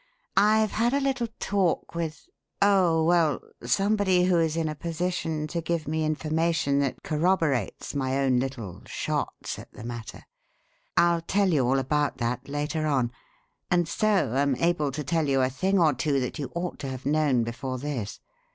I've had a little talk with oh, well, somebody who is in a position to give me information that corroborates my own little 'shots' at the matter (I'll tell you all about that later on), and so am able to tell you a thing or two that you ought to have known before this!